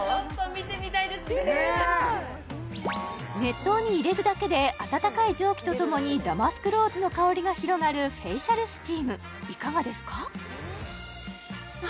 見てみたい熱湯に入れるだけで温かい蒸気とともにダマスクローズの香りが広がるフェイシャルスチームいかがですか？